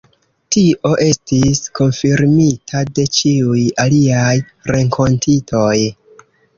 Tio estis konfirmita de ĉiuj aliaj renkontitoj.